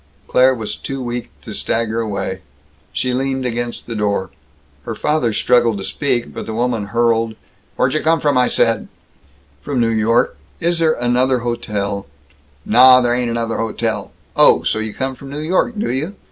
Claire was too weak to stagger away. She leaned against the door. Her father struggled to speak, but the woman hurled: "Wherdjuhcomfromised!" "From New York. Is there another hotel " "Nah, there ain't another hotel! Oh! So you come from New York, do you?